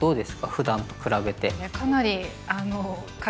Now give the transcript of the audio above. ふだんと比べて。